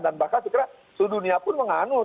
dan bahkan segera seluruh dunia pun menganut